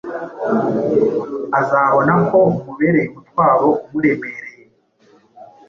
azabona ko umubereye umutwaro umuremereye.